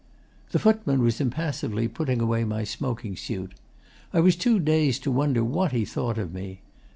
'The footman was impassively putting away my smoking suit. I was too dazed to wonder what he thought of me.